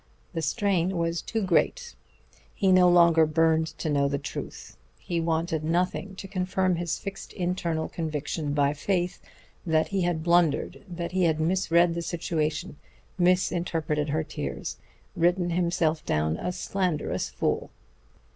The strain was too great. He no longer burned to know the truth; he wanted nothing to confirm his fixed internal conviction by faith, that he had blundered, that he had misread the situation, misinterpreted her tears, written himself down a slanderous fool.